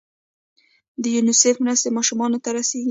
د یونیسف مرستې ماشومانو ته رسیږي؟